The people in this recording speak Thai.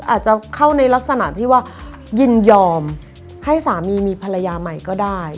อาจจะเข้าในลักษณะที่ว่ายินยอมให้สามีมีภรรยาใหม่ก็ได้